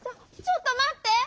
ちょっとまって！